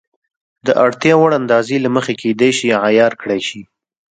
د اړتیا وړ اندازې له مخې کېدای شي عیار کړای شي.